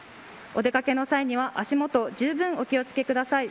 お出掛けの際には足元じゅうぶんお気を付けください。